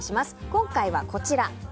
今回はこちら。